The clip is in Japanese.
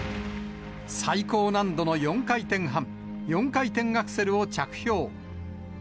最高難度の４回転半、４回転アクセルを着氷。